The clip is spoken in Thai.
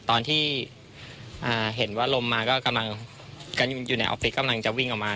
ตอนที่เห็นว่าลมมาก็กำลังอยู่ในออฟฟิศกำลังจะวิ่งออกมา